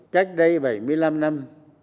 cách đây bảy mươi năm năm